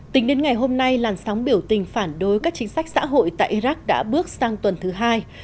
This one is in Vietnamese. tính đến ngày hôm nay làn sóng biểu tình phản đối các chính sách xã hội tại iraq đã bước sang tuần thứ hai